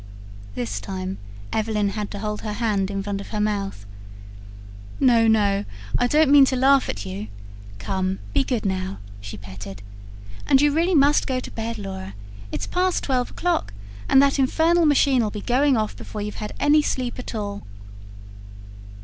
This time Evelyn had to hold her hand in front of her mouth. "No, no, I don't mean to laugh at you. Come, be good now," she petted. "And you really must go to bed, Laura. It's past twelve o'clock, and that infernal machine'll be going off before you've had any sleep at all."